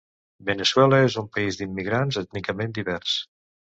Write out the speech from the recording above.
Veneçuela és un país d'immigrants, ètnicament divers.